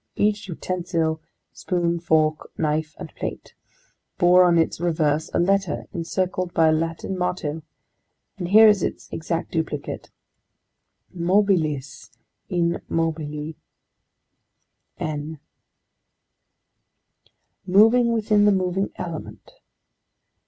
Each utensil, spoon, fork, knife, and plate, bore on its reverse a letter encircled by a Latin motto, and here is its exact duplicate: MOBILIS IN MOBILI N Moving within the moving element!